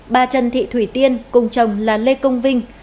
bà trần thị thủy tiên cùng chồng là lê công vinh